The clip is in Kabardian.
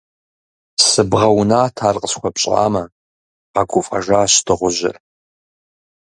Сыбгъэунат, ар къысхуэпщӀамэ, - къэгуфӀэжащ дыгъужьыр.